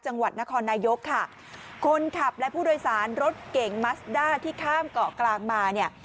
จังหวัดนครนายกค่ะคนขับและผู้โดยสารรถเก่งมัสด้าที่ข้ามเกาะกลางมาเนี่ย